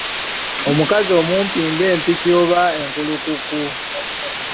Omukazi mumpi nga Empiki oba enkulukuku.